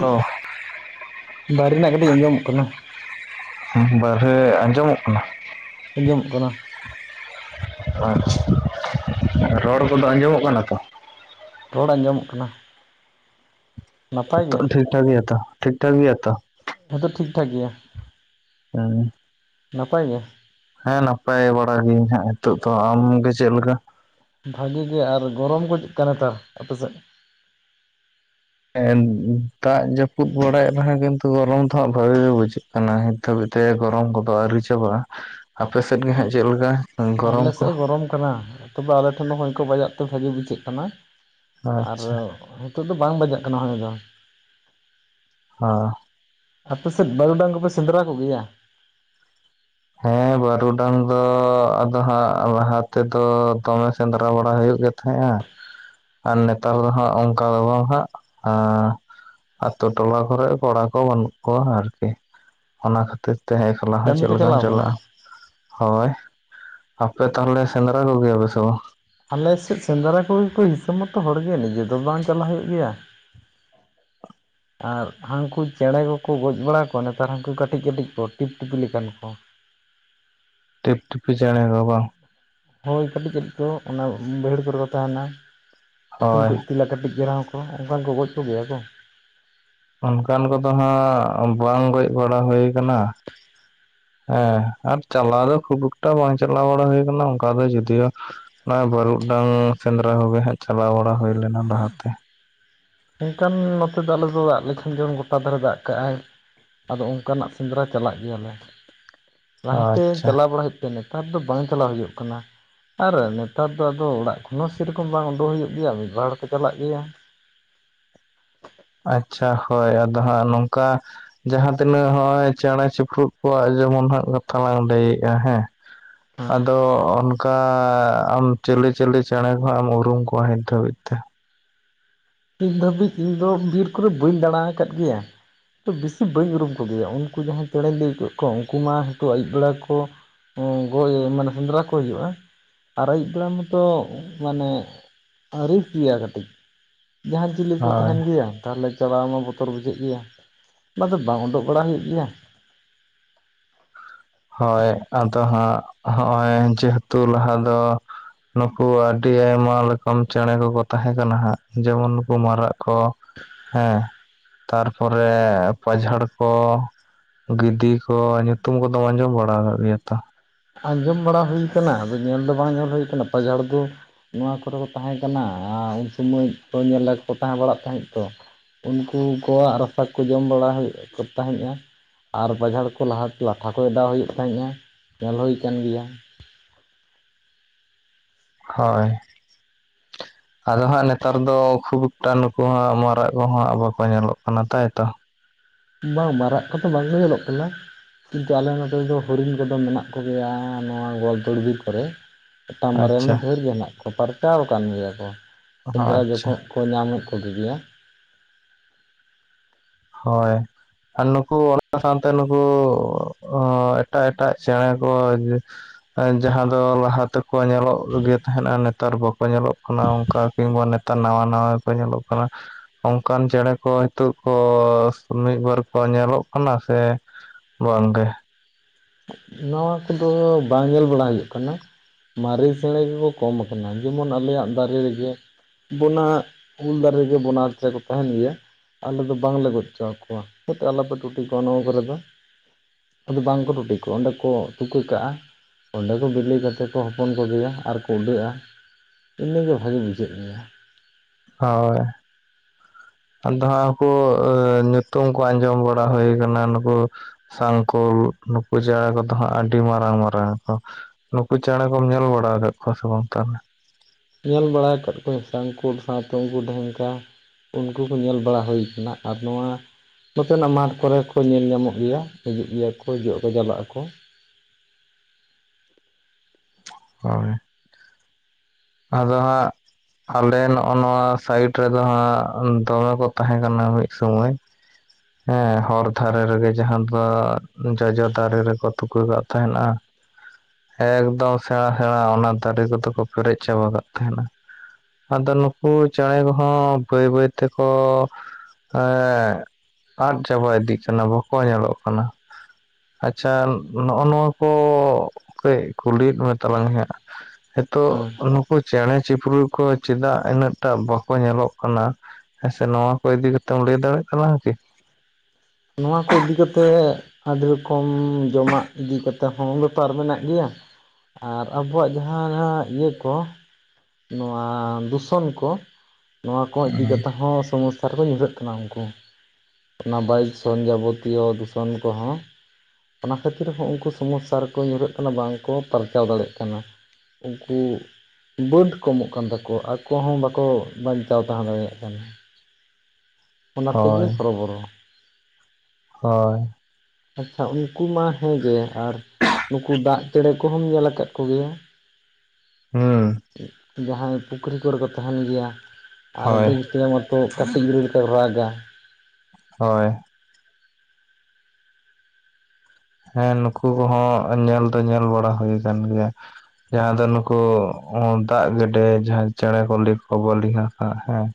ᱞᱚ [inaudible] ᱵᱟᱦᱨᱮ ᱨᱮᱱᱟᱜ ᱜᱟᱹᱰᱤ ᱟᱸᱡᱚᱢᱚᱜ ᱠᱟᱱᱟ᱾ ᱵᱟᱨᱦᱮ ᱟᱸᱡᱚᱢᱚᱜ ᱠᱟᱱᱟ᱾ ᱟᱸᱡᱚᱢᱚᱜ ᱠᱟᱱᱟ᱾ ᱟᱪᱪᱷᱟ ᱨᱚᱲ ᱠᱚᱫᱚ ᱟᱸᱡᱚᱢᱚᱜ ᱠᱟᱱᱟ ᱛᱚ ᱨᱚᱲ ᱟᱸᱡᱚᱢᱚᱜ ᱠᱟᱱᱟ᱾ ᱱᱟᱯᱟᱭ ᱜᱮ ᱴᱷᱤᱠ ᱴᱷᱟᱠ ᱜᱮᱭᱟ ᱛᱚ ᱴᱷᱤᱠ ᱴᱷᱟᱠ ᱜᱮᱭᱟ ᱛᱚ ᱦᱮᱸᱛᱚ ᱴᱷᱤᱠ ᱴᱷᱟ ᱜᱮᱭᱟ᱾ [unintelligible] ᱱᱟᱯᱟᱭ ᱜᱮ ᱦᱮᱸ ᱱᱟᱯᱟᱭ ᱵᱟᱲᱟ ᱜᱤᱭᱟᱹᱧ ᱦᱟᱸᱜ ᱱᱤᱛᱚᱜ ᱫᱚ ᱟᱢᱜᱮ ᱪᱮᱫ ᱞᱮᱠᱟ᱾ ᱵᱷᱟᱜᱤ ᱜᱮ ᱟᱨ ᱜᱚᱨᱚᱢ ᱜᱩᱡᱩᱜ ᱠᱟᱱᱟ ᱛᱟᱨ ᱟᱯᱮᱥᱮᱫ ᱮᱸ ᱫᱟᱜ ᱡᱟᱹᱯᱩᱫ ᱵᱟᱲᱟᱭᱮᱫ ᱨᱮᱦᱚᱸ ᱠᱤᱱᱛᱩ ᱜᱚᱨᱚᱢ ᱫᱚ ᱦᱟᱸᱜ ᱵᱷᱟᱹᱜᱤ ᱜᱮ ᱵᱩᱡᱷᱟᱹᱜ ᱠᱟᱱᱟ ᱦᱤᱸᱛ ᱦᱟᱹᱵᱤᱡ ᱛᱮ ᱜᱚᱨᱚᱢ ᱠᱚᱫᱚ ᱟᱹᱣᱨᱤ ᱪᱟᱵᱟᱜᱼᱟ᱾ ᱟᱯᱮ ᱥᱮᱫ ᱜᱮ ᱦᱟᱸᱜ ᱪᱮᱫ ᱞᱮᱠᱟ ᱜᱚᱨᱚᱢ ᱟᱞᱮ ᱠᱚ ᱥᱮᱫ ᱦᱚᱸ ᱜᱚᱨᱚᱢ ᱠᱟᱱᱟ ᱛᱚᱵᱮ ᱟᱞᱮ ᱴᱷᱮᱱ ᱦᱚᱭ ᱠᱚ ᱵᱟᱡᱟᱜ ᱛᱮ ᱵᱷᱟᱹᱜᱤ ᱵᱩᱡᱷᱟᱹᱜ ᱠᱟᱱᱟ ᱟᱨ ᱟᱪᱪᱷᱟ ᱱᱤᱛᱚᱜ ᱫᱚ ᱵᱟᱝ ᱵᱟᱡᱟᱜ ᱠᱟᱱᱟ ᱦᱚᱭ ᱫᱚ [unintelligible] ᱟᱯᱮᱥᱮᱫ ᱵᱟᱹᱨᱩᱰᱟᱝ ᱠᱚᱯᱮ ᱥᱮᱸᱫᱽᱨᱟ ᱠᱚᱜᱮᱭᱟ᱾ ᱦᱮᱸ ᱵᱟᱹᱨᱩ ᱰᱟᱝ ᱫᱚ ᱟᱫᱚ ᱦᱟᱸᱜ ᱞᱟᱦᱟ ᱛᱮᱫᱚ ᱫᱚᱢᱮ ᱥᱮᱸᱫᱽᱨᱟ ᱵᱟᱲᱟ ᱦᱩᱭᱩᱜ ᱜᱮ ᱛᱟᱦᱮᱸᱫᱼᱟ᱾ ᱟᱨ ᱱᱮᱛᱟᱨ ᱫᱚ ᱦᱟᱸᱜ ᱚᱱᱠᱟ ᱫᱚ ᱵᱟᱝ ᱦᱟᱸᱜ ᱮᱸ ᱟᱛᱳ ᱴᱚᱞᱟ ᱠᱚᱨᱮᱜ ᱠᱚᱲᱟ ᱠᱚ ᱵᱟᱹᱱᱩᱜ ᱠᱚᱣᱟ ᱟᱨᱠᱤ ᱚᱱᱟ ᱠᱷᱟᱹᱛᱤᱨ ᱛᱮ ᱞᱟᱦᱟ ᱠᱟᱹᱢᱤ ᱪᱮᱫ ᱠᱚ ᱞᱮᱠᱟᱱ ᱪᱟᱞᱟᱣ ᱠᱟᱱᱟ ᱦᱳᱭ ᱟᱯᱮ ᱛᱟᱦᱚᱞᱮ ᱥᱮᱸᱫᱽᱨᱟ ᱠᱚᱜᱮᱭᱟ ᱯᱮ ᱥᱮ ᱵᱟᱝ ᱟᱞᱮᱥᱮᱫ ᱥᱮᱸᱫᱽᱨᱟ ᱠᱚᱜᱤ ᱠᱚ ᱦᱤᱥᱟᱹ ᱢᱚᱛᱚ ᱦᱚᱲᱜᱮ ᱱᱤᱡᱮ ᱫᱚ ᱵᱟᱝ ᱪᱟᱞᱟᱜ ᱦᱩᱭᱩᱜ ᱜᱮᱭᱟ᱾ [inaudible] ᱟᱨ ᱦᱟᱹᱱᱠᱩ ᱪᱮᱸᱬᱮ ᱠᱚᱠᱚ ᱜᱚᱡ ᱵᱟᱲᱟ ᱠᱚᱣᱟ ᱱᱮᱛᱟᱨ ᱦᱟᱹᱱᱠᱩ ᱠᱟᱹᱴᱤᱡ ᱠᱟᱹᱴᱤᱡ ᱠᱚ ᱴᱤᱯ ᱴᱤᱯᱤ ᱞᱮᱠᱟᱱ ᱠᱚ ᱴᱤᱯ ᱴᱤᱯᱤ ᱪᱮᱸᱬᱮ ᱠᱚ ᱵᱟᱝ ᱦᱳᱭ ᱠᱟᱹᱴᱤᱡ ᱠᱟᱹᱴᱤᱡ ᱠᱚ ᱚᱱᱟ ᱵᱟᱹᱭᱦᱟᱹᱲ ᱠᱚᱨᱮ ᱠᱚ ᱛᱟᱦᱮᱱᱟ ᱠᱩᱴᱷᱤᱱ ᱦᱳᱭ ᱠᱚ ᱤᱛᱤᱞᱟ ᱠᱟᱹᱴᱤᱡ ᱜᱮ ᱨᱮ ᱦᱚᱸ ᱠᱚ ᱛᱚ ᱚᱱᱠᱟᱱ ᱠᱚ ᱜᱚᱡ ᱠᱚ ᱜᱮᱭᱟ ᱠᱚ ᱚᱱᱠᱟᱱ ᱠᱚᱫᱚ ᱦᱟᱸᱜ ᱵᱟᱝ ᱜᱚᱡ ᱵᱟᱲᱟ ᱦᱩᱭ ᱠᱟᱱᱟ᱾ ᱦᱮᱸ ᱟᱨ ᱪᱟᱞᱟᱣ ᱫᱚ ᱠᱷᱩᱵ ᱮᱠᱴᱟ ᱵᱟᱝ ᱪᱟᱞᱟᱣ ᱵᱟᱲᱟ ᱦᱩᱭ ᱟᱠᱟᱱᱟ ᱚᱱᱠᱟ ᱫᱚ ᱡᱩᱫᱤᱭᱳ ᱱᱚᱜᱼᱚᱭ ᱵᱟᱹᱨᱩᱰᱟᱝ ᱥᱮᱸᱫᱽᱨᱟ ᱠᱚᱜᱮ ᱦᱟᱸᱜ ᱪᱟᱞᱟᱣ ᱵᱟᱲᱟ ᱦᱩᱭ ᱞᱮᱱᱟ ᱞᱟᱦᱟ ᱛᱮ ᱚᱝᱠᱟᱱ ᱱᱚᱛᱮ ᱫᱚ ᱟᱞᱮ ᱫᱚ ᱫᱟᱜ ᱞᱮᱠᱷᱟᱱ ᱡᱮᱢᱚᱱ ᱜᱚᱴᱟ ᱫᱷᱟᱨᱮ ᱫᱟᱜ ᱠᱟᱜᱼᱟᱭ ᱟᱫᱚ ᱚᱱᱠᱟᱱᱟᱜ ᱥᱮᱸᱫᱽᱨᱟ ᱪᱟᱞᱟᱜ ᱜᱮᱭᱟᱞᱮ ᱞᱟᱦᱟ ᱛᱮ ᱟᱪᱪᱷᱟ ᱪᱟᱞᱟᱣ ᱵᱟᱲᱟᱭ ᱦᱩ ᱱᱮᱛᱟᱨ ᱫᱚ ᱵᱟᱝ ᱪᱟᱞᱟᱣ ᱦᱩᱭᱩᱜ ᱠᱟᱱᱟ᱾ ᱟᱨ ᱱᱮᱛᱟᱨ ᱫᱚ ᱟᱫᱚ ᱚᱲᱟᱜ ᱠᱷᱚᱱ ᱦᱚᱸ ᱥᱮᱨᱚᱠᱚᱢ ᱵᱟᱝ ᱩᱰᱩᱠ ᱦᱩᱭᱩᱜ ᱜᱮᱭᱟ ᱢᱤᱫ ᱵᱟᱨ ᱦᱚᱲ ᱠᱚ ᱪᱟᱞᱟᱜ ᱜᱮᱭᱟ᱾ ᱟᱪᱪᱷᱟ ᱦᱳᱭ ᱟᱫᱚ ᱦᱟᱸᱜ ᱱᱚᱝᱠᱟ ᱡᱟᱦᱟᱸ ᱛᱤᱱᱟᱹᱜ ᱱᱚᱜᱼᱚᱭ ᱪᱮᱸᱬᱮ ᱪᱩᱯᱨᱩᱫ ᱠᱚᱣᱟᱜ ᱡᱮᱢᱚᱱ ᱦᱟᱸᱜ ᱠᱟᱛᱷᱟ ᱞᱟᱝ ᱞᱟᱹᱭᱮᱜᱼᱟ ᱦᱮᱸ ᱦᱮᱸ ᱟᱫᱚ ᱚᱱᱠᱟ ᱟᱢ ᱪᱤᱹᱞᱤ ᱪᱤᱹᱞᱤ ᱪᱮᱸᱬᱮ ᱠᱚ ᱦᱟᱸᱜ ᱮᱢ ᱩᱨᱩᱢ ᱠᱚᱣᱟ ᱱᱤᱛ ᱫᱷᱟᱹᱵᱤᱡ ᱛᱮ ᱱᱤᱛ ᱫᱷᱟᱹᱵᱤᱡ ᱤᱧ ᱫᱚ ᱵᱤᱨ ᱠᱚᱨᱮ ᱵᱟᱹᱧ ᱫᱟᱬᱟ ᱟᱠᱟᱫ ᱜᱮᱭᱟ᱾ ᱛᱚ ᱵᱮᱥᱤ ᱵᱟᱹᱧ ᱩᱨᱩᱢ ᱠᱚ ᱜᱮᱭᱟ ᱩᱱᱠᱩ ᱡᱟᱦᱟᱸᱭ ᱪᱮᱸᱬᱮᱧ ᱞᱟᱹᱭ ᱠᱮᱫ ᱠᱚᱣᱟ ᱩᱱᱠᱩ ᱢᱟ ᱦᱤᱛᱩ ᱟᱹᱭᱩᱵ ᱵᱮᱲᱟ ᱠᱚ ᱜᱚᱡ ᱢᱟᱱᱮ ᱥᱮᱸᱫᱽᱨᱟ ᱠᱚ ᱦᱩᱭᱩᱜᱼᱟ ᱟᱨ ᱟᱹᱭᱩᱵ ᱵᱮᱲᱟ ᱢᱚᱛᱚ ᱢᱟᱱᱮ ᱨᱤᱠᱥ ᱜᱮᱭᱟ ᱠᱟᱹᱴᱤᱡ ᱡᱟᱦᱟᱱ ᱪᱤᱞᱤ ᱠᱚ ᱦᱳᱭ ᱛᱟᱦᱮᱱ ᱜᱮᱭᱟ᱾ ᱛᱟᱦᱚᱞᱮ ᱪᱟᱞᱟᱣ ᱢᱟ ᱵᱚᱛᱚᱨ ᱵᱩᱡᱷᱟᱹᱜ ᱜᱮᱭᱟ ᱚᱱᱟᱛᱮ ᱵᱟᱝ ᱩᱰᱩᱜ ᱵᱟᱲᱟ ᱦᱩᱭᱩᱜ ᱜᱮᱭᱟ᱾ ᱦᱳᱭ ᱟᱫᱚ ᱦᱟᱸᱜ ᱦᱚᱜᱼᱚᱭ ᱡᱮᱦᱮᱛᱩ ᱞᱟᱦᱟ ᱫᱚ ᱱᱩᱠᱩ ᱟᱹᱰᱤ ᱟᱭᱢᱟ ᱞᱮᱠᱟᱱ ᱪᱮᱸᱬᱮ ᱠᱚᱠᱚ ᱛᱟᱦᱮᱸ ᱠᱟᱱᱟ ᱦᱟᱸᱜ ᱡᱮᱢᱚᱱ ᱱᱩᱠᱩ ᱢᱟᱨᱟᱜ ᱠᱚ᱾ ᱦᱮᱸ, ᱛᱟᱨᱯᱚᱨᱮ ᱯᱟᱡᱷᱟᱲ ᱠᱚ, ᱜᱤᱫᱤ ᱠᱚ, ᱧᱩᱛᱩᱢ ᱠᱚ ᱫᱚᱢ ᱟᱸᱡᱚᱢ ᱵᱟᱲᱟ ᱠᱟᱫ ᱜᱮᱭᱟ ᱛᱚ᱾ ᱟᱸᱡᱚᱢ ᱵᱟᱲᱟ ᱦᱩᱭ ᱠᱟᱱᱟ, ᱟᱫᱚ ᱧᱮᱞ ᱫᱚ ᱵᱟᱝ ᱧᱮᱞ ᱦᱩᱭ ᱠᱟᱱᱟ ᱯᱟᱡᱷᱟᱲ ᱫᱚ, ᱱᱚᱣᱟ ᱠᱚᱨᱮ ᱠᱚ ᱛᱟᱦᱮᱸ ᱠᱟᱱᱟ ᱟᱨ ᱩᱱ ᱥᱚᱢᱚᱭ ᱠᱚ ᱧᱮᱞ ᱞᱮᱫ ᱠᱚ ᱛᱟᱦᱮᱸ ᱵᱟᱲᱟᱜ ᱛᱟᱦᱮᱸᱜ ᱛᱚ᱾ ᱩᱱᱠᱩ ᱠᱚᱣᱟᱜ ᱨᱟᱥᱟ ᱠᱚ ᱡᱚᱢ ᱵᱟᱲᱟ ᱦᱩᱭᱩᱜ ᱠᱚ ᱛᱟᱦᱮᱸᱫᱼᱟ᱾ ᱟᱨ ᱯᱟᱡᱷᱟᱲ ᱠᱚ ᱞᱟᱦᱟ ᱛᱮ ᱞᱟᱴᱷᱟ ᱠᱚ ᱚᱰᱟᱣ ᱦᱩᱭᱩᱜ ᱛᱟᱦᱮᱸᱫᱼᱟ ᱧᱮᱞ ᱦᱩᱭ ᱠᱟᱱ ᱜᱮᱭᱟ᱾ ᱦᱳᱭ᱾ ᱟᱫᱚ ᱦᱟᱸᱜ ᱱᱮᱛᱟᱨ ᱫᱚ ᱠᱷᱩᱵ ᱮᱠᱴᱟ ᱱᱩᱠᱩ ᱦᱟᱸᱜ ᱢᱟᱨᱟᱜ ᱠᱚᱦᱚᱸ ᱵᱟᱠᱚ ᱧᱮᱞᱚᱜ ᱠᱟᱱᱟ ᱛᱟᱭᱛᱚ᱾ ᱵᱟᱝ ᱢᱟᱨᱟᱜ ᱠᱚᱫᱚ ᱵᱟᱝᱠᱚ ᱧᱮᱞᱚᱜ ᱠᱟᱱᱟ᱾ ᱠᱤᱱᱛᱩ ᱟᱞᱮ ᱱᱚᱛᱮ ᱫᱚ ᱦᱚᱨᱤᱱ ᱠᱚᱫᱚ ᱢᱮᱱᱟᱜ ᱠᱚᱜᱮᱭᱟ ᱱᱚᱣᱟ ᱜᱳᱣᱟᱞᱛᱳᱲ ᱵᱤᱨ ᱠᱚᱨᱮ᱾ ᱢᱤᱫᱴᱟᱝ ᱵᱟᱨᱭᱟ ᱟᱪᱪᱷᱟ ᱫᱷᱮᱨ ᱜᱮ ᱢᱮᱱᱟᱜ ᱠᱚᱣᱟ ᱯᱟᱨᱪᱟᱣ ᱟᱠᱟᱱ ᱜᱮᱭᱟ ᱠᱚ ᱥᱮᱸᱫᱽᱨᱟ ᱟᱪᱪᱷᱟ ᱡᱚᱠᱷᱚᱱ, ᱠᱚ ᱧᱟᱢᱮᱫ ᱠᱚ ᱜᱮ ᱜᱮᱭᱟ᱾ ᱦᱳᱭ᱾ ᱟᱨ ᱱᱩᱠᱩ ᱚᱱᱟ ᱥᱟᱸᱶᱛᱮ ᱱᱩᱠᱩ ᱮᱴᱟᱜ ᱮᱴᱟᱜ ᱪᱮᱸᱬᱮ ᱠᱚ, ᱡᱟᱦᱟᱸ ᱫᱚ ᱞᱟᱦᱟ ᱛᱮᱠᱚ ᱧᱮᱞᱚᱜ ᱜᱮ ᱛᱟᱦᱮᱸᱫᱟ ᱱᱮᱛᱟᱨ ᱵᱟᱠᱚ ᱧᱮᱞᱚᱜ ᱠᱟᱱᱟ ᱚᱱᱠᱟ ᱠᱤᱱᱵᱟ ᱱᱮ, ᱛᱟᱨ ᱱᱟᱣᱟ ᱱᱟᱣᱟ ᱜᱮ ᱠᱚ ᱧᱮᱞᱚᱜ ᱠᱟᱱᱟ ᱚᱱᱠᱟᱱ ᱪᱮᱸᱬᱮ ᱠᱚ ᱦᱤᱛᱚᱜ ᱠᱚ, ᱠᱚᱥ ᱢᱤᱫ ᱵᱟᱨ ᱠᱚ ᱧᱮᱞᱚᱜ ᱠᱟᱱᱟ ᱥᱮ ᱵᱟᱝᱜᱮ᱾ ᱱᱟᱣᱟ ᱠᱚᱫᱚ ᱵᱟᱝ ᱧᱮᱞ ᱵᱟᱲᱟ ᱦᱩᱭᱩᱜ ᱠᱟᱱᱟ᱾ ᱢᱟᱨᱮ ᱪᱮᱸᱬᱮ ᱜᱮᱠᱚ ᱠᱚᱢ ᱠᱟᱱᱟ ᱡᱮᱢᱚᱱ ᱟᱞᱮᱭᱟᱜ ᱫᱟᱨᱮ ᱨᱮᱜᱮ, ᱵᱚᱱᱟ ᱩᱞ ᱫᱟᱨᱮ ᱨᱮᱜᱮ ᱵᱚᱱᱟ ᱪᱮᱸᱬᱮ ᱠᱚ ᱛᱟᱦᱮᱱ ᱜᱮᱭᱟ᱾ ᱟᱞᱮ ᱫᱚ ᱵᱟᱝᱞᱮ ᱜᱚᱡ ᱦᱚᱸᱪᱚᱭᱟᱠᱚᱣᱟ ᱦᱟᱴ ᱟᱞᱚᱯᱮ ᱴᱩᱴᱤ ᱠᱚᱣᱟ ᱱᱚᱣᱟ ᱠᱚᱨᱮ ᱫᱚ᱾ ᱟᱫᱚ ᱵᱟᱝ ᱠᱚ ᱴᱩᱴᱤ, ᱚᱸᱰᱮ ᱠᱚ ᱛᱩᱠᱟᱹ ᱠᱟᱜᱼᱟ ᱚᱸᱰᱮ ᱠᱚ ᱵᱤᱞᱤ ᱠᱟᱛᱮ ᱠᱚ ᱦᱚᱯᱚᱱ ᱠᱚᱜᱮᱭᱟ ᱟᱨᱠᱚ ᱩᱰᱟᱹᱜᱼᱟ᱾ ᱤᱱᱟᱹᱜᱮ ᱵᱷᱟᱜᱮ ᱵᱩᱡᱷᱟᱹᱜ ᱜᱮᱭᱟ᱾ ᱦᱳᱭ, ᱟᱫᱚ ᱟᱸᱜᱠᱩ ᱧᱩᱛᱩᱢ ᱠᱚ ᱟᱸᱡᱚᱢ ᱵᱟᱲᱟ ᱦᱩᱭ ᱠᱟᱱᱟ ᱱᱩᱠᱩ, ᱥᱟᱝᱠᱳᱞ ᱱᱩᱠᱩ ᱪᱮᱸᱬᱮ ᱠᱚᱫᱚ ᱦᱟᱸᱜ ᱟᱹᱰᱤ ᱢᱟᱨᱟᱝ ᱢᱟᱨᱟᱝ ᱟᱠᱚ᱾ ᱱᱩᱠᱩ ᱪᱮᱸᱬᱮ ᱠᱚᱢ ᱧᱮᱞ ᱵᱟᱲᱟ ᱠᱟᱫ ᱠᱚᱣᱟ ᱥᱮ ᱵᱟᱝ ᱛᱟᱦᱚᱞᱮ? ᱧᱮᱞ ᱵᱟᱲᱟ ᱟᱠᱟᱫ ᱠᱚᱣᱟᱧ ᱥᱟᱝᱠᱩ ᱥᱟᱸᱶᱛᱮ ᱩᱱᱠᱩ ᱰᱷᱮᱝᱠᱟ᱾ ᱩᱱᱠᱩ ᱠᱚ ᱧᱮᱞ ᱵᱟᱲᱟ ᱦᱩᱭ ᱠᱟᱱᱟ ᱟᱨ ᱱᱚᱣᱟ, ᱱᱚᱛᱮ ᱱᱟᱜ ᱢᱟᱴᱷ ᱠᱚᱨᱮ ᱦᱚᱸᱠᱚ ᱧᱮᱞ ᱧᱟᱢᱚᱜ ᱜᱮᱭᱟ ᱦᱤᱡᱩᱜ ᱜᱮᱭᱟ ᱠᱚ ᱦᱤᱡᱩᱚᱜ ᱟᱠᱚ ᱪᱟᱞᱟᱜ ᱟᱠᱚ᱾ ᱦᱳᱭ᱾ ᱟᱫᱚ ᱦᱟᱸᱜ, ᱟᱞᱮ ᱱᱚᱜᱼᱚ ᱱᱚᱣᱟ ᱥᱟᱭᱤᱴ ᱨᱮᱫᱚ ᱦᱟᱸᱜ ᱫᱚᱢᱮ ᱠᱚ ᱛᱟᱦᱮᱸ ᱠᱟᱱᱟ ᱢᱤᱫ ᱥᱩᱢᱟᱹᱭ᱾ ᱦᱮᱸ ᱦᱚᱨ ᱫᱷᱟᱨᱮ ᱨᱮᱜᱮ ᱡᱟᱦᱟᱸ ᱫᱚ ᱡᱚᱡᱚ ᱫᱟᱨᱮ ᱨᱮᱠᱚ ᱛᱩᱠᱟᱹ ᱠᱟᱜ ᱛᱟᱦᱮᱜᱱᱟ᱾ ᱮᱠᱫᱚᱢ ᱥᱮᱬᱟ ᱥᱮᱬᱟ ᱚᱱᱟ ᱫᱟᱨᱮ ᱠᱚᱫᱚ ᱠᱚ ᱯᱮᱨᱮᱡ ᱪᱟᱵᱟ ᱠᱟᱜ ᱛᱟᱦᱮᱱᱟ᱾ ᱟᱫᱚ ᱱᱩᱠᱩ ᱪᱮᱬᱮ ᱠᱚᱦᱚᱸ ᱵᱟᱹᱭ ᱵᱟᱹᱭ ᱛᱮᱠᱚ, ᱮᱜ ᱟᱫ ᱪᱟᱵᱟ ᱤᱫᱤᱜ ᱠᱟᱱᱟ ᱵᱟᱠᱚ ᱧᱮᱞᱚᱜ ᱠᱟᱱᱟ᱾ ᱟᱪᱪᱷᱟ ᱱᱚᱜᱼᱚ ᱱᱚᱣᱟ ᱠᱚ ᱠᱟᱹᱡ ᱠᱩᱞᱤᱠᱚ ᱛᱟᱞᱟᱝ-ᱟᱧ ᱦᱟᱸᱜ? ᱦᱤᱛᱚᱜ ᱦᱮᱸ ᱱᱩᱠᱩ ᱪᱮᱬᱮ ᱪᱤᱯᱬᱩ ᱠᱚ ᱪᱮᱫᱟᱜ ᱤᱱᱟᱹᱜ ᱴᱟᱜ ᱵᱟᱠᱚ ᱧᱮᱞᱚᱜ ᱠᱟᱱᱟ᱾ ᱦᱮᱸᱥᱮ ᱱᱚᱣᱟ ᱠᱚ ᱤᱫᱤ ᱠᱟᱛᱮᱫ ᱮᱢ ᱞᱟᱹᱭ ᱫᱟᱲᱮᱭᱟᱜ ᱛᱟᱞᱟᱝᱟ ᱠᱤ? ᱱᱚᱣᱟ ᱠᱚ ᱤᱫᱤ ᱠᱟᱛᱮᱫ, ᱟᱹᱰᱤ ᱨᱚᱠᱚᱢ ᱡᱚᱢᱟᱜ ᱤᱫᱤ ᱠᱟᱛᱮᱫ ᱦᱚᱸ ᱵᱮᱯᱟᱨ ᱢᱮᱱᱟᱜ ᱜᱮᱭᱟ᱾ ᱟᱨ ᱟᱵᱚᱣᱟᱜ ᱡᱟᱦᱟᱸ ᱦᱟᱸᱜ ᱤᱭᱟᱹ ᱠᱚ, ᱱᱚᱣᱟ ᱫᱩᱥᱚᱱ ᱠᱚ, ᱱᱚᱣᱟ ᱠᱚ ᱤᱫᱤ ᱠᱟᱛᱮ ᱦᱚᱸ ᱥᱚᱢᱚᱥᱥᱟ᱾ ᱠᱚ ᱧᱩᱨᱦᱟᱹᱜ ᱠᱟᱱᱟ ᱩᱱᱠᱩ, ᱚᱱᱟ ᱵᱟᱭᱩᱥᱚᱱ ᱡᱟᱵᱚᱛᱤᱭᱚ ᱫᱩᱥᱚᱱ ᱠᱚᱦᱚᱸ, ᱚᱱᱟ ᱠᱷᱟᱹᱛᱤᱨ ᱦᱚᱸ ᱩᱱᱠᱩ ᱥᱚᱢᱚᱥᱥᱟ ᱨᱮᱠᱚ ᱧᱩᱨᱦᱟᱹᱜ ᱠᱟᱱᱟ ᱵᱟᱝᱠᱚ ᱯᱟᱨᱪᱟᱣ ᱫᱟᱲᱮᱭᱟᱜ ᱠᱟᱱᱟ᱾ ᱩᱱᱠᱩ, ᱵᱟᱹᱛ ᱠᱚᱢᱚᱜ ᱠᱟᱱ ᱛᱟᱠᱚᱣᱟ ᱟᱠᱚ ᱦᱚᱸ ᱵᱟᱠᱚ ᱵᱟᱧᱪᱟᱣ ᱛᱟᱦᱮᱸ ᱫᱟᱲᱮᱭᱟᱜ ᱠᱟᱱᱟ᱾ ᱚᱱᱟ ᱛᱮᱜᱮ ᱦᱳᱭ ᱦᱚᱨᱚ, ᱵᱚᱨᱚ, ᱦᱳᱭ ᱟᱪᱪᱷᱟ ᱩᱱᱠᱩ ᱢᱟ ᱦᱮᱸᱜᱮ ᱟᱨ ᱱᱩᱠᱩ ᱫᱟᱜᱼᱼ ᱪᱮᱬᱮ ᱠᱚᱦᱚᱸᱢ ᱧᱮᱞ ᱟᱠᱟᱫ ᱠᱚᱜᱮᱭᱟ? ᱦᱩᱸ ᱡᱟᱦᱟᱸᱭ ᱯᱩᱠᱷᱨᱤ ᱠᱚᱨᱮ ᱠᱚ ᱛᱟᱦᱮᱱ ᱜᱮᱭᱟ ᱟᱨ ᱦᱳᱭ ᱵᱤᱧ ᱴᱮᱭᱚᱝ ᱟᱛᱮᱫ ᱠᱟᱹᱴᱤᱡ ᱜᱤᱫᱨᱟᱹ ᱞᱮᱠᱟ ᱠᱚ ᱨᱟᱜᱟ᱾ ᱦᱳᱭ ᱦᱮᱸ ᱱᱩᱠᱩ ᱠᱚᱦᱚᱸ ᱧᱮᱞ ᱫᱚ ᱧᱮᱞ ᱵᱟᱲᱟ ᱦᱩᱭ ᱟᱠᱟᱱ ᱜᱮᱭᱟ᱾ ᱡᱟᱦᱟᱸ ᱫᱚ ᱱᱩᱠᱩ ᱫᱟᱜ ᱜᱮᱰᱮ ᱡᱟᱦᱟᱱ ᱪᱮᱬᱮ ᱠᱚ ᱞᱤᱧ ᱠᱚ ᱵᱚ ᱞᱤᱝ ᱦᱟᱸᱜ ᱦᱮᱸ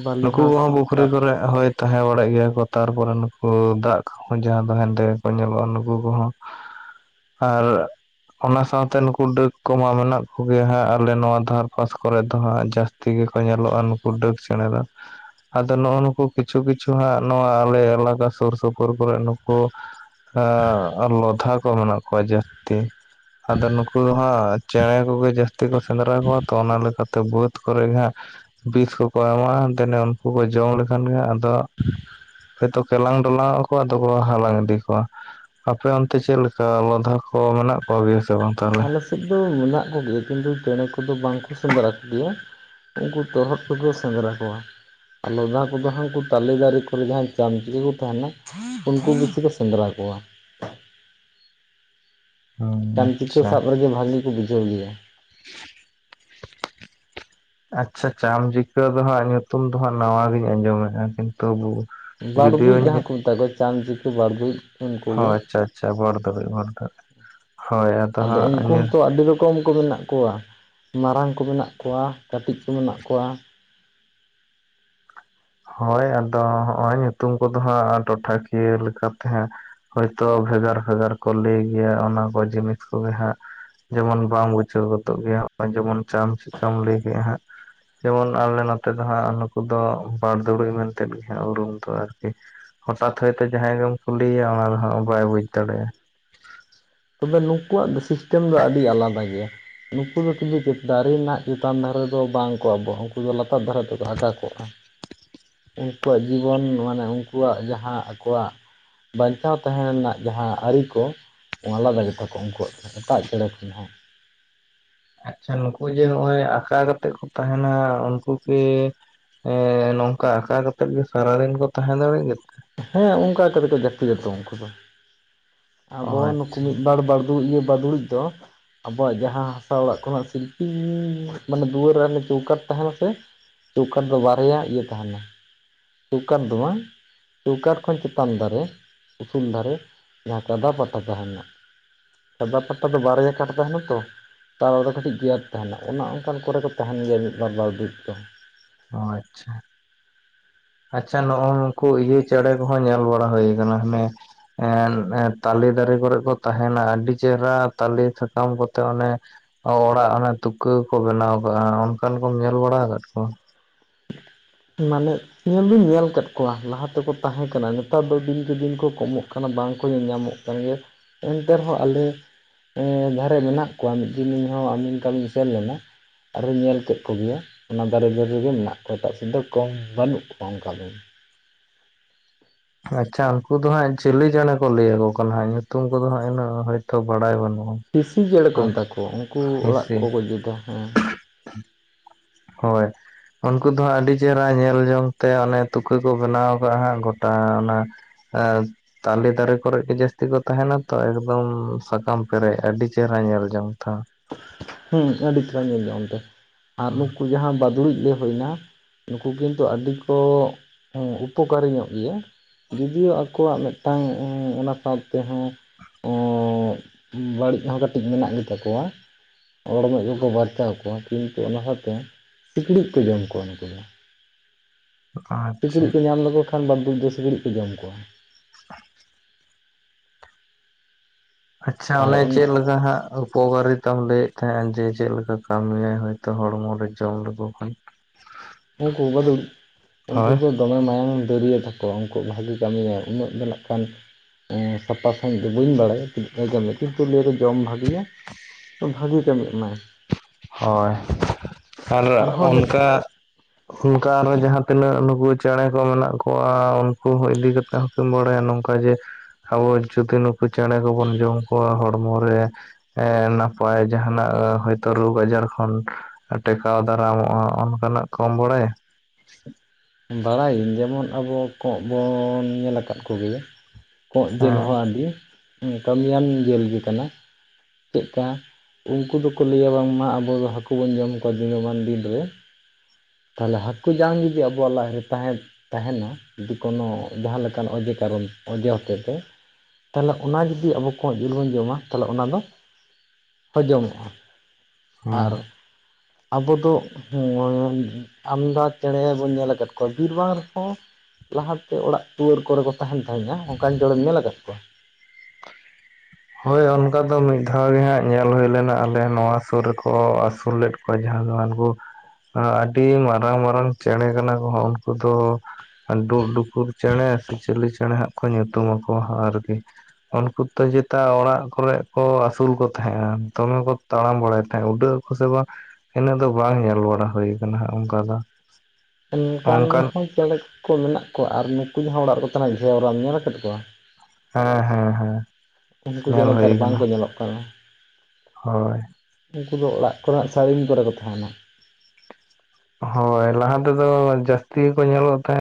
ᱵᱟᱹᱞᱤ ᱱᱩᱠᱩ ᱦᱟᱸᱥ ᱠᱚᱦᱚᱸ ᱯᱩᱠᱷᱨᱤ ᱥᱟᱵ ᱠᱚᱨᱮᱼᱼ ᱦᱳᱭ ᱛᱟᱦᱮᱸ ᱵᱟᱲᱟᱜ ᱜᱮᱭᱟ ᱠᱚ ᱛᱟᱨᱯᱚᱨᱮ ᱱᱩᱠᱩ ᱫᱟᱜ ᱠᱚᱦᱚᱸ ᱡᱟᱦᱟᱸ ᱫᱚ ᱦᱮᱸᱫᱮ ᱜᱮ ᱠᱚ ᱧᱮᱞᱚᱜᱼᱟ ᱱᱩᱠᱩᱼᱼ ᱩᱱᱠᱩ ᱠᱚᱦᱚᱸ ᱟᱨ ᱚᱱᱟ ᱥᱟᱶᱛᱮ ᱱᱩᱠᱩ ᱰᱟᱹᱠ ᱠᱚᱢᱟ ᱢᱮᱱᱟᱜ ᱠᱚᱜᱮᱭᱟ ᱦᱟᱸᱜ ᱟᱞᱮ ᱱᱚᱣᱟ ᱫᱷᱟᱨ ᱯᱟᱥ ᱠᱚᱨᱮ ᱫᱚ ᱦᱟᱸᱜ ᱡᱟᱹᱥᱛᱤᱼᱼ ᱛᱮᱜᱮ ᱠᱚ ᱧᱮᱞᱚᱜᱼᱟ ᱱᱩᱠᱩ ᱰᱟᱹᱠ ᱪᱮᱬᱮ ᱫᱚ᱾ ᱟᱫᱚ ᱱᱚᱜᱼᱚ ᱱᱩᱠᱩ ᱠᱤᱪᱷᱩ ᱠᱤᱪᱷᱩ ᱦᱟᱸᱜ ᱱᱚᱣᱟ ᱟᱞᱮ ᱮᱞᱟᱠᱟ ᱥᱩᱨ ᱥᱩᱯᱩᱨ ᱠᱚᱨᱮ ᱱᱩᱠᱩᱼᱼ ᱦᱮᱸ ᱟᱨ ᱞᱚᱫᱷᱟ ᱠᱚ ᱢᱮᱱᱟᱜ ᱠᱚᱣᱟ ᱡᱟᱹᱥᱛᱤ, ᱟᱫᱚ ᱱᱩᱠᱩ ᱫᱚ ᱦᱟᱸᱜ ᱪᱮᱬᱮ ᱠᱚᱜᱮ ᱡᱟᱹᱥᱛᱤ ᱠᱚ ᱥᱮᱸᱫᱽᱨᱟ ᱠᱚᱣᱟ ᱛᱚ ᱚᱱᱟ ᱞᱮᱠᱟ ᱛᱮ ᱵᱟᱹᱫᱽ ᱠᱚᱨᱮ ᱜᱮ ᱦᱟᱸᱜᱼᱼ ᱵᱤᱥ ᱠᱚᱠᱚ ᱮᱢᱟᱜ-ᱟ ᱫᱮᱱᱮ ᱩᱱᱠᱩ ᱠᱚ ᱡᱚᱢ ᱞᱮᱠᱷᱟᱱ ᱜᱮ ᱟᱫᱚᱼᱼ ᱦᱚᱭᱛᱚ ᱠᱮᱞᱟᱝ ᱰᱚᱞᱟᱣ ᱟᱠᱚᱣᱟ ᱟᱫᱚ ᱠᱚ ᱦᱟᱞᱟᱝ ᱤᱫᱤ ᱠᱚᱣᱟ, ᱟᱯᱮ ᱚᱱᱛᱮ ᱪᱮᱫᱮ ᱞᱮᱠᱟ ᱞᱚᱫᱷᱟ ᱠᱚ ᱢᱮᱱᱟᱜ ᱠᱚ ᱜᱮᱭᱟ ᱥᱮ ᱵᱟᱝ? ᱛᱟᱦᱞᱮ ᱟᱞᱮ ᱥᱮᱫ ᱫᱚ ᱢᱮᱱᱟᱜ ᱠᱚ ᱜᱮᱭᱟ ᱠᱤᱱᱛᱩ ᱪᱮᱬᱮ ᱠᱚᱫᱚ ᱵᱟᱝ ᱠᱚ ᱥᱮᱸᱫᱽᱨᱟ ᱠᱚ ᱜᱮᱭᱟ᱾ ᱱᱩᱠᱩ ᱛᱚᱨᱦᱚᱫ ᱠᱚ ᱥᱮᱸᱫᱽᱨᱟ ᱠᱚᱣᱟ᱾ ᱟᱨ ᱞᱚᱫᱟ ᱠᱚ ᱫᱚᱦᱚᱭ ᱩᱱᱠᱩ ᱛᱟᱞᱮ ᱫᱟᱨᱮ ᱠᱚᱨᱮ ᱡᱟᱦᱟᱸᱭ ᱪᱟᱢᱪᱤᱠᱤ ᱠᱚ ᱛᱟᱦᱮᱱᱟᱼᱼ ᱩᱱᱠᱩ ᱠᱤᱪᱷᱩ ᱞᱮ ᱥᱮᱸᱫᱽᱨᱟ ᱠᱚᱣᱟ᱾ ᱦᱩᱸ ᱪᱟᱢᱪᱤᱠᱤ ᱟᱪᱪᱷᱟ ᱥᱟᱵ ᱨᱮᱜᱮ ᱵᱷᱟᱹᱜᱤ ᱞᱤᱧ ᱵᱩᱡᱷᱟᱹᱣ ᱜᱮᱭᱟ᱾ [unintelligible] ᱟᱪᱪᱷᱟ ᱪᱟᱢᱪᱤᱠᱤ ᱫᱚ ᱦᱟᱸᱜ ᱧᱩᱛᱩᱢ ᱫᱚ ᱦᱟᱸᱜ ᱱᱟᱣᱟ ᱜᱤᱧ ᱟᱸᱡᱚᱢ ᱮᱫᱟ? ᱠᱤᱱᱛᱩ ᱵᱟᱫᱩᱲ ᱡᱩᱫᱤᱭᱳ ᱡᱟᱦᱟᱸ ᱠᱚ ᱢᱮᱛᱟ ᱠᱚᱣᱟ ᱪᱟᱢᱪᱤᱠᱤ ᱵᱟᱫᱩ ᱚ ᱟᱪᱪᱷᱟ ᱟᱪᱪᱷᱟ [unintelligible] ᱟᱫᱚ ᱩᱱᱠᱩ ᱦᱚᱸᱛᱚ ᱟᱹᱰᱤ ᱨᱚᱠᱼᱼ ᱠᱚᱢ ᱠᱚ ᱢᱮᱱᱟᱜ ᱠᱚᱣᱟ ᱢᱟᱨᱟᱝ ᱠᱚ ᱢᱮᱱᱟᱜ ᱠᱚᱣᱟ ᱠᱟᱹᱴᱤᱡ ᱠᱚ ᱢᱮᱱᱟᱜ ᱠᱚᱣᱟ᱾ ᱦᱳᱭ ᱟᱫᱚ ᱦᱚᱸᱜᱼᱚᱭ ᱧᱩᱛᱩᱢ ᱠᱚ ᱫᱚ ᱦᱟᱸᱜ ᱴᱚᱴᱷᱟᱠᱤᱭᱟᱹ ᱞᱮᱠᱟᱛᱮ ᱦᱟᱸ ᱦᱚᱭᱛᱳ ᱵᱷᱮᱜᱟᱨ ᱵᱷᱮᱜᱟᱨ ᱠᱚ ᱞᱟᱹᱭ ᱜᱮᱭᱟ ᱚᱱᱟ ᱠᱚ ᱡᱤᱱᱤᱥ ᱠᱚᱜᱮ ᱦᱟᱸᱜ ᱡᱮᱢᱚᱱ ᱵᱟᱢ ᱵᱩᱡᱷᱟᱹᱣ ᱜᱚᱫᱚᱜ ᱜᱮᱭᱟ ᱡᱮᱢᱚᱱ ᱪᱟᱢ ᱪᱤᱠᱟᱢ ᱞᱟᱹᱭ ᱠᱮᱜᱼᱟ ᱦᱟᱸᱜ᱾ ᱡᱮᱢᱚᱱ ᱟᱞᱮ ᱱᱚᱛᱮ ᱫᱚ ᱦᱟᱸᱜ ᱱᱩᱠᱩ ᱫᱚ ᱵᱟᱲᱫᱩᱲᱩᱡ ᱢᱮᱱᱛᱮ ᱜᱮ ᱦᱟᱸᱜ ᱩᱨᱩᱢ ᱫᱚ ᱟᱨᱠᱤ᱾ ᱦᱚᱴᱟᱛ ᱦᱚᱭᱛᱚ ᱡᱟᱦᱟᱸᱭ ᱜᱮᱢ ᱠᱩᱞᱤᱭ ᱭᱟ ᱚᱱᱟ ᱨᱮᱦᱚᱸ ᱵᱟᱭ ᱵᱩᱡ ᱫᱟᱲᱮᱭᱟᱜᱼᱟ᱾ ᱛᱚᱵᱮ ᱱᱩᱠᱩᱣᱟᱜ ᱫᱚ ᱥᱤᱥᱴᱮᱢ ᱫᱚ ᱟᱹᱰᱤ ᱟᱞᱟᱫᱟ ᱜᱮᱭᱟ᱾ ᱱᱩᱠᱩ ᱫᱚ ᱠᱤᱱᱛᱩ ᱫᱟᱨᱮ ᱨᱮᱱᱟᱜ ᱪᱮᱛᱟᱱ ᱫᱷᱟᱨᱮ ᱫᱚ ᱵᱟᱝ ᱠᱚ ᱟᱵᱚᱜᱼᱟ ᱩᱱᱠᱩ ᱫᱚ ᱞᱟᱛᱟᱨ ᱫᱷᱟᱨᱮ ᱛᱮᱠᱚ ᱟᱠᱟ ᱠᱚᱜᱼᱟ᱾ [inaudible] ᱩᱱᱠᱩᱣᱟᱜ ᱡᱤᱵᱚᱱ ᱢᱟᱱᱮ ᱩᱱᱠᱩᱣᱟᱜ ᱡᱟᱦᱟᱸ ᱟᱠᱚᱣᱟᱜᱼᱼ ᱵᱟᱸᱧᱪᱟᱣ ᱛᱟᱸᱦᱮ ᱨᱮᱱᱟᱜ ᱡᱟᱦᱟᱸ ᱟᱹᱨᱤ ᱠᱚ ᱟᱞᱟᱫᱟ ᱜᱮᱛᱟ ᱠᱚᱣᱟ ᱩᱱᱠᱩᱣᱟᱜ ᱫᱟᱜ ᱪᱮᱸᱬᱮ ᱞᱮᱠᱟ ᱦᱚᱸ ᱟᱪᱪᱷᱟ ᱱᱩᱠᱩ ᱡᱮ ᱱᱚᱜ ᱚᱭ ᱟᱠᱟ ᱠᱟᱛᱮᱜ ᱠᱚ ᱛᱟᱸᱦᱮᱱᱟ ᱩᱱᱠᱩ ᱠᱤ? ᱮᱸ ᱱᱚᱝᱠᱟ ᱟᱠᱟᱸ ᱠᱟᱛᱮᱫ ᱜᱮ ᱥᱟᱨᱟᱫᱤᱱ ᱠᱚ ᱛᱟᱦᱮᱸ ᱫᱟᱲᱮᱭᱟᱜ ᱜᱮᱛᱮ? ᱦᱮᱸ ᱚᱱᱠᱟ ᱠᱟᱛᱮ ᱠᱚ ᱡᱟᱹᱯᱤᱛᱟ ᱛᱚ ᱩᱱᱠᱩ ᱫᱚᱼᱼ ᱚ ᱟᱵᱚ ᱱᱩᱠᱩ ᱟᱪᱪᱷᱟ ᱢᱤᱫᱵᱟᱨ ᱵᱟᱲᱫᱩ ᱮᱸ ᱵᱟᱫᱩᱲᱩᱡ ᱫᱚᱼᱼ ᱟᱵᱚᱣᱟᱜ ᱡᱟᱦᱟᱸ ᱦᱟᱥᱟ ᱚᱲᱟᱜ ᱠᱷᱚᱱᱟᱜ ᱥᱤᱞᱯᱤ ᱢᱟᱱᱮ ᱫᱩᱣᱟᱹᱨ ᱨᱮ ᱪᱳᱣᱠᱟᱴ ᱛᱟᱦᱮᱸᱱᱟ ᱥᱮᱼᱼ ᱪᱳᱣᱠᱟᱴ ᱫᱚ ᱵᱟᱨᱭᱟ ᱤᱭᱟᱹ ᱛᱟᱦᱮᱸᱱᱟᱼᱼ ᱪᱳᱣᱠᱟᱴ ᱫᱚ ᱵᱟᱝ ᱪᱳᱣᱠᱟᱴ ᱠᱷᱚᱱ ᱪᱮᱛᱟᱱ ᱫᱷᱟᱨᱮ ᱩᱥᱩᱞ ᱫᱷᱟᱨᱮ᱾ ᱡᱟᱸᱦᱟᱸ ᱠᱟᱫᱟ ᱯᱟᱴᱟ ᱛᱟᱦᱮᱸᱱᱟ ᱥᱟᱫᱟ ᱯᱟᱴᱟ ᱫᱚ ᱵᱟᱨᱭᱟ ᱠᱟᱴ ᱛᱟᱦᱮᱸᱱᱟ ᱛᱚᱼᱼ ᱛᱟᱞᱨᱮ ᱠᱟᱹᱴᱤᱡ ᱜᱮᱯ ᱛᱟᱦᱮᱸᱱᱟ ᱚᱱᱟ ᱚᱱᱠᱟᱱ ᱠᱚᱨᱮ ᱠᱚ ᱛᱟᱦᱮᱱ ᱜᱮᱭᱟ ᱢᱤᱫ ᱵᱟᱨ ᱵᱟᱨᱫᱩᱲᱤᱡ ᱫᱚ ᱚ ᱟᱪᱷᱟ ᱟᱪᱷᱟ ᱱᱚᱜ ᱚ ᱱᱩᱠᱩ ᱤᱭᱟᱹ ᱪᱮᱸᱬᱮ ᱠᱚᱦᱚᱸ ᱧᱮᱞ ᱵᱟᱲᱟ ᱦᱩᱭ ᱠᱟᱱᱟ ᱦᱟᱱᱮ ᱮᱸ ᱛᱟᱞᱮ ᱫᱟᱨᱮ ᱠᱚᱨᱮᱜ ᱠᱚ ᱛᱟᱦᱮᱸᱱᱟ ᱟᱹᱰᱤ ᱪᱮᱨᱟ ᱛᱟᱞᱮ ᱥᱟᱠᱟᱢ ᱠᱚᱛᱮ ᱚᱱᱮ ᱚᱲᱟᱜ ᱚᱱᱮ ᱛᱩᱠᱟᱹ ᱠᱚ ᱵᱮᱱᱟᱣ ᱠᱟᱜᱼᱟ ᱚᱱᱠᱟᱱ ᱠᱚᱢ ᱧᱮᱞ ᱵᱟᱲᱟ ᱠᱟᱫ ᱠᱚᱣᱟ ᱢᱟᱱᱮ ᱧᱮᱞ ᱫᱩᱧ ᱧᱮᱞ ᱠᱟᱫ ᱠᱚᱣᱟ ᱞᱟᱦᱟ ᱛᱮᱠᱚ ᱛᱟᱦᱮᱸ ᱠᱟᱱᱟ ᱱᱮᱛᱟᱨ ᱫᱚ ᱫᱤᱱᱠᱮ-ᱫᱤᱱ ᱠᱚ ᱠᱚᱢᱚᱜ ᱠᱟᱱᱟ ᱵᱟᱝᱠᱚ ᱧᱮᱞ ᱧᱟᱸᱢᱚᱜ ᱠᱟᱱᱟ ᱠᱟᱱ ᱜᱮᱭᱟ ᱮᱱᱛᱮ ᱨᱮᱦᱚᱸ ᱟᱞᱮ ᱮᱸ ᱡᱟᱦᱟᱸᱨᱮ ᱢᱮᱱᱟᱜ ᱠᱚᱣᱟ ᱢᱤᱫ ᱫᱤᱱ ᱤᱧ ᱦᱚᱸ ᱟᱢᱤᱱ ᱠᱟᱹᱢᱤᱧ ᱥᱮᱱ ᱞᱮᱱᱟ ᱟᱨᱚ ᱧᱮᱞ ᱠᱮᱫ ᱠᱚ ᱜᱮᱭᱟ ᱚᱱᱟ ᱫᱟᱨᱮ ᱨᱮᱜᱮ ᱢᱮᱱᱟᱜ ᱠᱚᱣᱟ ᱮᱴᱟᱜ ᱥᱮ ᱫᱚ ᱠᱚᱢ ᱵᱟᱹᱱᱩᱜ ᱠᱚᱣᱟ ᱚᱱᱠᱟ ᱫᱚ ᱟᱪᱷᱟ ᱩᱱᱠᱩ ᱫᱚ ᱦᱟᱸᱜ ᱪᱤᱞᱤ ᱪᱮᱸᱬᱮ ᱠᱚ ᱞᱟᱹᱭᱟ ᱠᱚ ᱠᱟᱱᱟ ᱦᱟᱸᱜ ᱧᱩᱛᱩᱢ ᱠᱚᱫᱚ ᱦᱟᱸᱜ ᱤᱱᱟᱹᱜ ᱦᱚᱭᱛᱚ ᱵᱟᱰᱟᱭ ᱵᱟᱹᱱᱩᱜᱼᱟ᱾ ᱴᱤᱥᱤ ᱪᱮᱸᱬᱮ ᱠᱚ ᱢᱮᱛᱟ ᱠᱚᱣᱟ ᱩᱱᱠᱩ ᱚᱲᱟᱜ ᱦᱮᱸᱥᱮ ᱠᱚ-ᱠᱚ ᱡᱩᱫᱟ ᱦᱮᱸ ᱦᱚᱭ ᱩᱱᱠᱩ ᱫᱚ ᱦᱟᱸᱜ ᱟᱹᱰᱤ ᱪᱮᱦᱨᱟ ᱧᱮᱞ ᱡᱚᱝ ᱛᱮ ᱚᱱᱮ ᱛᱩᱠᱟᱹ ᱠᱚ ᱵᱮᱱᱟᱣ ᱠᱟᱜ-ᱟ ᱦᱟᱸᱜ ᱜᱚᱴᱟ ᱚᱱᱟ ᱟᱨ ᱛᱟᱞᱮ ᱫᱟᱨᱮ ᱠᱚᱨᱮᱜ ᱜᱮ ᱡᱟᱹᱥᱛᱤ ᱠᱚ ᱛᱟᱦᱮᱸ ᱱᱟᱛᱚ ᱮᱠᱫᱚᱢ ᱥᱟᱠᱟᱢ ᱯᱮᱨᱮᱡ ᱟᱹᱰᱤ ᱪᱮᱦᱨᱟ ᱧᱮᱞ ᱡᱚᱝ ᱛᱮ ᱦᱚᱸ ᱦᱩᱸ ᱟᱹᱰᱤ ᱪᱮᱦᱨᱟ ᱧᱮᱞ ᱡᱚᱝ ᱛᱮ ᱟᱨ ᱱᱩᱠᱩ ᱡᱟᱦᱟᱸ ᱵᱟᱫᱩᱲᱩᱡ ᱞᱮ ᱦᱩᱭᱱᱟ ᱱᱩᱠᱩ ᱠᱤᱱᱛᱩ ᱟᱹᱰᱤ ᱠᱚ ᱩᱯᱚᱠᱟᱨᱤ ᱧᱚᱜ ᱜᱮᱭᱟ᱾ ᱡᱚᱫᱤᱭᱚ ᱟᱠᱚᱣᱟᱜ ᱢᱮᱫᱴᱟᱝ ᱚᱱᱟ ᱥᱟᱶᱛᱮᱦᱚᱸ ᱩᱸᱻ ᱵᱟᱹᱲᱤᱡ ᱦᱚᱸ ᱠᱟᱹᱴᱤᱡ ᱢᱮᱱᱟᱜ ᱜᱮᱛᱟ ᱠᱚᱣᱟ᱾ ᱚᱲᱢᱚᱡ ᱠᱚᱠᱚ ᱵᱟᱨᱪᱟᱣ ᱠᱚᱣᱟ ᱠᱤᱱᱛᱩ ᱚᱱᱟ ᱥᱟᱶᱛᱮ ᱥᱤᱠᱬᱤᱡ ᱠᱚ ᱡᱚᱢ ᱠᱚᱣᱟ ᱱᱩᱠᱩ ᱫᱚ ᱟᱪᱪᱷᱟ ᱥᱤᱠᱲᱤᱡ ᱠᱚ ᱧᱟᱢ ᱞᱮᱠᱚ ᱠᱷᱟᱱ ᱵᱟᱲᱫᱩᱡ ᱫᱚ ᱥᱤᱠᱲᱤᱡ ᱠᱚ ᱡᱚᱢ ᱠᱚᱣᱟ ᱦᱮᱸ ᱟᱪᱷᱟ ᱟᱨ ᱚᱱᱮ ᱚᱱᱟ ᱪᱮᱫ ᱞᱮᱠᱟ ᱦᱟᱸᱜ ᱩᱯᱚᱠᱟᱨᱤ? ᱠᱚᱢ ᱞᱟᱹᱭᱮᱫ ᱛᱟᱦᱮᱸᱜᱼᱟ ᱡᱮ ᱪᱮᱫ ᱞᱮᱠᱟ ᱠᱟᱹᱢᱤᱭᱟᱭ ᱦᱚᱭᱛᱚ ᱦᱚᱲᱢᱚ ᱨᱮ ᱡᱚᱢ ᱞᱮᱠᱚ ᱠᱷᱟᱱ ᱩᱱᱠᱩ ᱵᱟᱹᱫᱩᱲ ᱩᱱᱠᱩ ᱦᱳᱭ ᱫᱚ ᱫᱚᱢᱮ ᱢᱟᱭᱟᱢ ᱫᱟᱹᱨᱭᱟ ᱛᱟᱠᱚᱣᱟ ᱩᱱᱠᱩ ᱵᱷᱟᱹᱜᱤ ᱠᱟᱹᱢᱤᱭᱟ ᱩᱱᱟᱹᱜ ᱫᱚ ᱱᱟᱜ ᱠᱷᱟᱱ ᱥᱟᱯᱷᱟ ᱥᱟᱺᱦᱤᱡ ᱫᱚ ᱵᱟᱹᱧ ᱵᱟᱲᱟᱭᱟ ᱪᱮᱫ ᱠᱚᱭ ᱠᱟᱢᱤᱭᱟ ᱠᱤᱱᱛᱩ ᱞᱟᱹᱭ ᱨᱮ ᱡᱚᱢ ᱵᱷᱟᱹᱜᱤᱭᱟ᱾ ᱵᱷᱟᱜᱤ ᱠᱟᱹᱢᱤ ᱮᱢᱟᱭ ᱦᱚᱭ ᱟᱨ ᱟᱨᱦᱚᱸ ᱚᱱᱠᱟ ᱚᱱᱠᱟ ᱟᱨᱦᱚᱸ ᱡᱟᱦᱟᱸ ᱛᱤᱱᱟᱹᱜ ᱱᱩᱠᱩ ᱪᱮᱬᱮ ᱠᱚ ᱢᱮᱱᱟᱜ ᱠᱚᱣᱟ ᱩᱱᱠᱩ ᱦᱚᱸ ᱤᱫᱤ ᱠᱟᱛᱮᱜ ᱵᱟᱲᱟᱭᱟ ᱱᱚᱝᱠᱟ ᱡᱮ ᱟᱵᱚ ᱡᱩᱫᱤ ᱱᱩᱠᱩ ᱪᱮᱬᱮ ᱠᱚᱵᱚᱱ ᱡᱚᱢ ᱠᱚᱣᱟ ᱦᱚᱲᱢᱚ ᱨᱮ ᱮᱸ ᱱᱟᱯᱟᱭ ᱡᱟᱦᱟᱱᱟᱜ ᱦᱟᱹ ᱛᱚ ᱨᱳᱜᱽ ᱟᱡᱟᱨ ᱠᱷᱚᱱ ᱴᱮᱠᱟᱣ ᱫᱟᱨᱟᱢᱚᱜᱼᱟ ᱚᱱᱠᱟᱱᱟᱜ ᱠᱚᱢ ᱵᱟᱲᱟᱭᱟ? ᱵᱟᱲᱟᱭᱟᱹᱧ ᱡᱮᱢᱚᱱ ᱟᱵᱚ ᱠᱚᱸᱜ ᱵᱚᱻᱱ ᱧᱮᱞ ᱟᱠᱟᱫ ᱠᱚᱜᱮᱭᱟ ᱾ ᱠᱚᱸᱜ ᱡᱤᱞ ᱦᱮᱸ ᱦᱚᱸ ᱟᱹᱰᱤ ᱠᱟᱹᱢᱤᱭᱟᱱ ᱡᱤᱞ ᱜᱮ ᱠᱟᱱᱟ ᱪᱮᱫᱠᱟ ᱩᱱᱠᱩ ᱫᱚᱠᱚ ᱞᱟᱹᱭᱟ ᱵᱟᱝᱢᱟ ᱟᱵᱚ ᱫᱚ ᱦᱟᱹᱠᱩ ᱵᱚᱱ ᱡᱚᱢ ᱠᱚᱣᱟ ᱫᱤᱱᱟᱹᱢᱟᱱ ᱫᱤᱱ ᱨᱮ ᱾ ᱛᱟᱦᱞᱮ ᱦᱟᱹᱠᱩ ᱡᱟᱝ ᱡᱩᱫᱤ ᱟᱵᱚᱣᱟᱜ ᱞᱟᱡ ᱨᱮ ᱛᱟᱦᱮᱸᱱ ᱛᱟᱦᱮᱱᱟ ᱡᱩᱫᱤ ᱠᱚᱱᱚ ᱡᱟᱦᱟᱸ ᱞᱮᱠᱟᱱ ᱚᱡᱮ ᱠᱟᱨᱚᱱ ᱚᱡᱮ ᱦᱚᱛᱮᱫ ᱛᱮ ᱛᱟᱦᱚᱞᱮ ᱚᱱᱟ ᱡᱩᱫᱤ ᱟᱵᱚ ᱠᱚᱸᱜ ᱡᱤᱞ ᱵᱚᱱ ᱡᱚᱢᱟ ᱛᱟᱦᱚᱞᱮ ᱚᱱᱟ ᱫᱚ ᱦᱚᱡᱚᱢᱚᱜᱼᱟ ᱾ ᱟᱨ ᱦᱮᱸ ᱟᱵᱚ ᱫᱚ ᱞ ᱟᱞᱫᱟ ᱪᱮᱬᱮ ᱵᱚᱱ ᱧᱮᱞᱮᱫ ᱠᱚᱣᱟ᱾ ᱠᱚᱣᱟ ᱡᱤᱞ ᱵᱟᱝ ᱨᱮᱦᱚᱸ ᱞᱟᱦᱟᱛᱮ ᱚᱲᱟᱜ ᱫᱩᱣᱟᱹᱨ ᱠᱚᱨᱮ ᱠᱚ ᱛᱟᱦᱮᱱ ᱛᱟᱦᱮᱸᱡ-ᱟ ᱚᱱᱠᱟᱱ ᱡᱚᱲᱮᱢ ᱧᱮᱞ ᱟᱠᱟᱫ ᱠᱚᱣᱟ? ᱦᱚᱭ ᱚᱱᱠᱟ ᱫᱚ ᱢᱤᱫ ᱫᱷᱟᱣ ᱜᱮ ᱦᱟᱸᱜ ᱧᱮᱞ ᱦᱩᱭ ᱞᱮᱱᱟ ᱟᱞᱮ ᱱᱚᱣᱟ ᱥᱩᱨ ᱨᱮᱠᱚ ᱟᱹᱥᱩᱞ ᱞᱮᱫ ᱡᱟᱦᱟᱸ ᱫᱚ ᱦᱟᱱᱠᱩ ᱟᱹᱰᱤ ᱢᱟᱨᱟᱝ- ᱢᱟᱨᱟᱝ ᱪᱮᱬᱮ ᱠᱟᱱᱟ ᱠᱚᱦᱚᱸ ᱩᱱᱠᱩ ᱫᱚ ᱰᱩᱜᱼᱰᱩᱠᱩᱨ ᱪᱮᱬᱮ ᱥᱮ ᱪᱤᱞᱤ ᱪᱮᱬᱮ ᱦᱟᱸᱜ ᱠᱚ ᱧᱩᱛᱩᱢ ᱟᱠᱚᱣᱟ ᱦᱟᱸ ᱟᱨᱠᱤ ᱾ ᱩᱱᱠᱩ ᱛᱮᱜᱮᱫ ᱛᱚ ᱚᱲᱟᱜ ᱠᱚᱨᱮᱜ ᱠᱚ ᱟᱹᱥᱩᱞ ᱠᱚ ᱛᱟᱦᱮᱸᱜᱼᱟ ᱫᱚᱢᱮ ᱠᱚ ᱛᱟᱲᱟᱢ ᱵᱟᱲᱟᱭᱮᱫ ᱛᱟᱦᱮᱸᱜᱫ ᱾ ᱩᱰᱟᱹᱜ ᱟᱠᱚ ᱥᱮ ᱵᱟᱝ ᱤᱱᱟᱹᱜ ᱫᱚ ᱵᱟᱝ ᱧᱮᱞ ᱵᱟᱲᱟ ᱦᱩᱭ ᱟᱠᱟᱱᱟ ᱦᱟᱸᱜ ᱚᱱᱠᱟ ᱫᱚ ᱾ ᱚᱱᱠᱟᱱ ᱦᱚᱸ ᱪᱮᱬᱮ ᱠᱚ ᱢᱮᱱᱟᱜ ᱠᱚᱣᱟ ᱟᱨ ᱱᱩᱠᱩ ᱡᱟᱦᱟᱸ ᱚᱲᱟᱜ ᱨᱮᱠᱚ ᱛᱟᱦᱮᱱᱟ ᱜᱷᱮᱣᱨᱟᱢ ᱧᱮᱞ ᱟᱠᱟᱫ ᱠᱚᱣᱟ? ᱦᱮᱸ ᱦᱮᱸ ᱦᱮᱸ ᱾ ᱩᱱᱠᱩ ᱫᱚ ᱱᱮᱛᱟᱨ ᱵᱟᱝ ᱠᱚ ᱧᱮᱞᱚᱜ ᱠᱟᱱᱟ ᱾ ᱦᱳᱭ ᱾ ᱩᱱᱠᱩ ᱫᱚ ᱚᱲᱟᱜ ᱠᱚᱨᱮᱱᱟᱜ ᱥᱟᱹᱲᱤᱢ ᱠᱚᱨᱮ ᱠᱚ ᱛᱟᱦᱮᱱᱟ ᱾ ᱦᱳᱭ ᱞᱟᱦᱟ ᱛᱮᱫᱚ ᱡᱟᱹᱥᱛᱤ ᱜᱮᱠᱚ ᱧᱮᱞᱚᱜ ᱛᱟᱦᱮᱸᱫ᱾